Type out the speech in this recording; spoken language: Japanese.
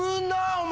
お前。